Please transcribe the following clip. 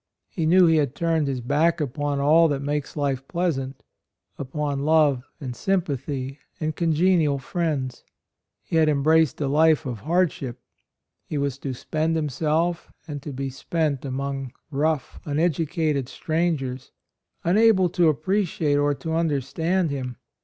He knew he had turned his back upon all that makes life pleasant — upon love and sympathy and congenial friends; he had em braced a life of hardship; he was to spend himself and to be spent among rough, uneducated strangers, unable to appreciate AND MOTHER. 95 or to understand him.